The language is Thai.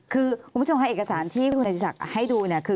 คือคุณผู้ชมค่ะเอกสารที่คุณนฤทธิษฑรรมให้ดู